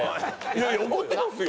いやいや怒ってますよ！